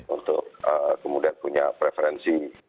untuk kemudian punya preferensi